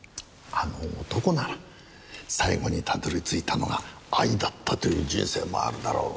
あの男なら最後にたどり着いたのが愛だったという人生もあるだろう。